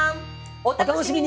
お楽しみに！